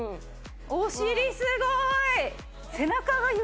お尻すごい！